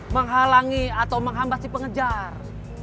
menghalangi atau menghambas si pengejar